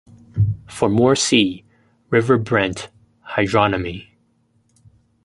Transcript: "For more see: River Brent: Hydronymy".